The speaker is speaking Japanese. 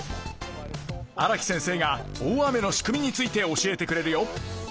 荒木先生が大雨の仕組みについて教えてくれるよ。